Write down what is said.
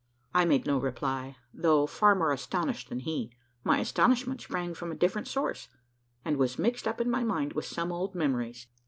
I made no reply, though far more astonished than he. My astonishment sprang from a different source; and was mixed up in my mind with some old memories.